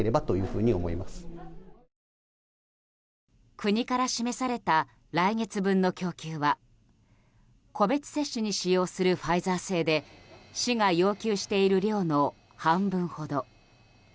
国から示された来月分の供給は個別接種に使用するファイザー製で、市が要求している量の半分ほど。